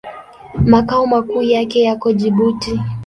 Makao makuu yake yako Jibuti.